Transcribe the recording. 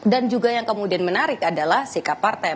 dan juga yang kemudian menarik adalah sikap partai